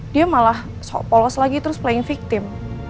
dia malah polos lagi terus playing victim